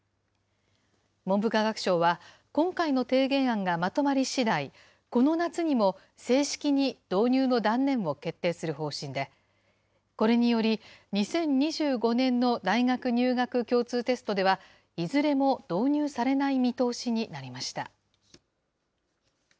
文部科学省は、今回の提言案がまとまりしだい、この夏にも、正式に導入の断念を決定する方針で、これにより、２０２５年の大学入学共通テストでは、いずれも導入されない見通しになりました。